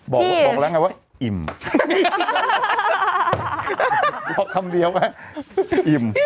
บอกบอกแล้วไงว่าอิ่มบอกคำเดียวว่าอิ่ม